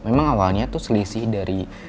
memang awalnya itu selisih dari